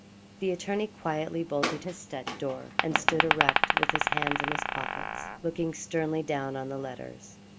The attorney quietly bolted his study door, and stood erect, with his hands in his pockets, looking sternly down on the letters.